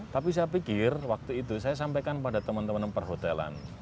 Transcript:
tapi saya pikir waktu itu saya sampaikan pada teman teman perhotelan